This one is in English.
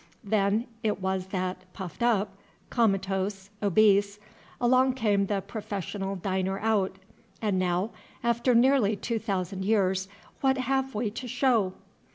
Then it was that, puffed up, comatose, obese, along came the Professional Diner Out. And now, after nearly two thousand years, what have we to show?